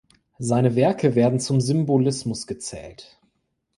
Seine Werke werden zum Symbolismus gezählt.